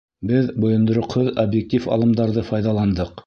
— Беҙ бойондороҡһоҙ объектив алымдарҙы файҙаландыҡ.